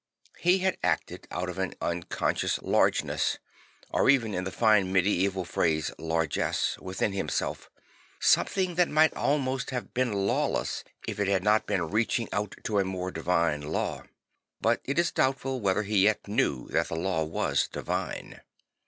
He had acted out of an unconscious largeness, or in the fine medieval phrase largesse, within himself, something that might almost have been la \vless if it had not been reaching out to a more divine law; but it is doubtful whether he yet knew that the law was divine.